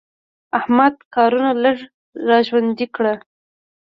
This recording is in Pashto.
احمده کارونه لږ را ژوندي کړه.